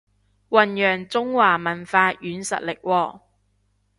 弘揚中華文化軟實力喎